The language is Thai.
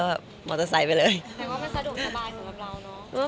หมายความว่ามันสะดวกสบายสุดกับเราเนอะ